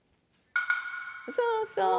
そうそう！